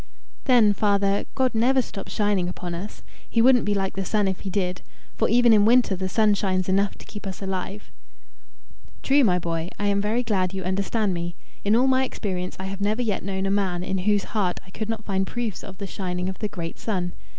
"Then, father, God never stops shining upon us. He wouldn't be like the sun if he did. For even in winter the sun shines enough to keep us alive." "True, my boy. I am very glad you understand me. In all my experience I have never yet known a man in whose heart I could not find proofs of the shining of the great Sun.